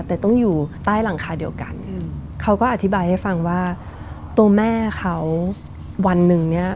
แต่ต้องอยู่ใต้หลังคาเดียวกันเขาก็อธิบายให้ฟังว่าตัวแม่เขาวันหนึ่งเนี่ย